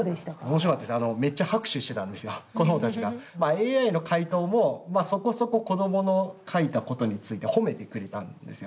ＡＩの回答もそこそこ子どもの書いたことについて褒めてくれたんですよね。